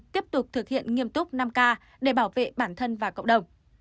tiếp tục thực hiện nghiêm túc năm k để bảo vệ bản thân và cộng đồng